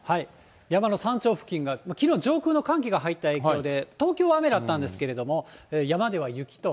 山の山頂付近がきのう、上空の寒気が入った影響で、東京は雨だったんですけれども、山では雪と。